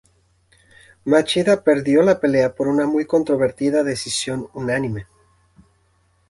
Machida perdió la pelea por una muy controvertida decisión unánime.